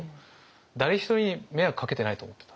誰一人に迷惑かけてないと思ってたんです。